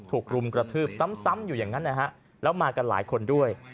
รุมกระทืบซ้ำอยู่อย่างนั้นนะฮะแล้วมากันหลายคนด้วย